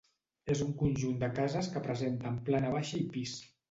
És un conjunt de cases que presenten plana baixa i pis.